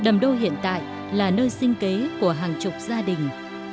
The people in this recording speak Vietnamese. đầm đô hiện tại là nơi sinh kế của hàng chục gia đình